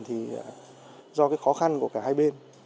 là một khó khăn của cả hai bên